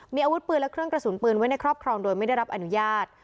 มีอาวุธปืนและเครื่องกระสุนปืนไว้ในครอบครองโดยไม่ได้รับอนุญาต